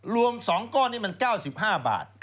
รวม๒ก้อนนี้มัน๙๕บาท